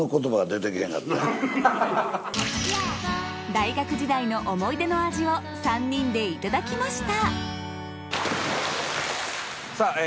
大学時代の思い出の味を３人でいただきました。